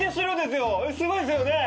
すごいっすよね。